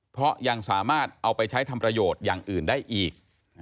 เพราะยังสามารถเอาไปใช้ทำประโยชน์อย่างอื่นได้อีก